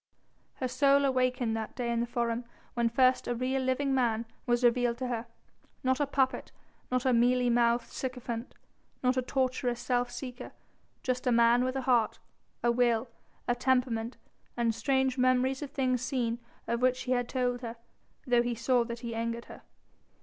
Her soul awakened that day in the Forum when first a real, living man was revealed to her; not a puppet, not a mealy mouthed sycophant, not a tortuous self seeker, just a man with a heart, a will, a temperament and strange memories of things seen of which he had told her, though he saw that he angered her.